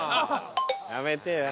やめてよ。